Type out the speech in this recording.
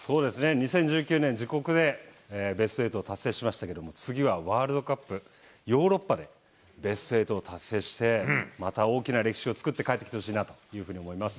２０１９年、自国でベスト８を達成しましたけれども、次はワールドカップ、ヨーロッパでベスト８を達成して、また大きな歴史を作って帰ってきてほしいなというふうに思います。